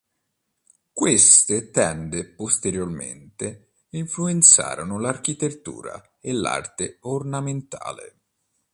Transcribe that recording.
Queste tende, posteriormente, influenzarono l'architettura e l'arte ornamentale.